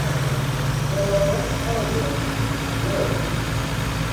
รอรถเข้าเมืองพิดโลกอีก